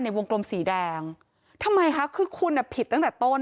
วงกลมสีแดงทำไมคะคือคุณอ่ะผิดตั้งแต่ต้น